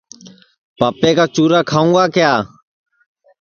پاپے کا چُرا کھاؤں گا